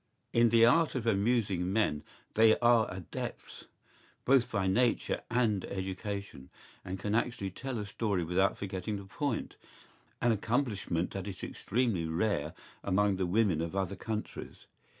¬Ý In the art of amusing men they are adepts, both by nature and education, and can actually tell a story without forgetting the point—an accomplishment that is extremely rare among the women of other countries.